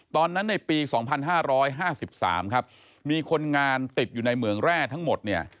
ตอนนั้นในปีสองพันห้าร้อยห้าสิบสามครับมีคนงานติดอยู่ในเหมืองแร่ทั้งหมดเนี่ย